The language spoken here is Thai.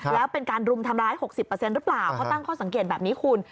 แล้วเป็นการรุมทำร้าย๖๐หรือเปล่าเขาตั้งข้อสังเกตแบบนี้คุณ